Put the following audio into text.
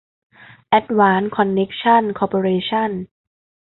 แอดวานซ์ คอนเนคชั่น คอร์ปอเรชั่น